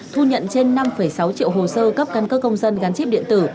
thu nhận trên năm sáu triệu hồ sơ cấp căn cấp công dân gắn chip điện tử